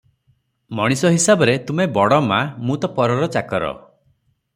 ମଣିଷ ହିସାବରେ ତୁମେ ବଡ଼ ମା, ମୁଁ ତ ପରର ଚାକର ।